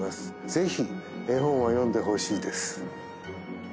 ぜひ絵本は読んでほしいです